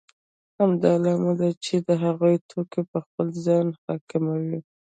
همدا لامل دی چې هغوی توکي په خپل ځان حاکموي